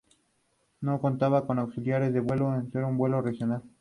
No contaba con auxiliares de vuelo al ser un vuelo regional.